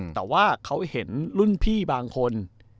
แต่ว่าเขาเห็นรุ่นพี่บางคน